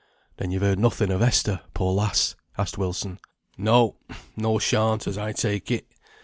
"Then you've heard nothing of Esther, poor lass?" asked Wilson. "No, nor shan't, as I take it.